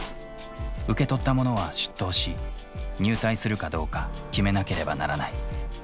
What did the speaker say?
受け取った者は出頭し入隊するかどうか決めなければならない。